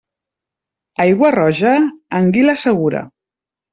Aigua roja? Anguila segura.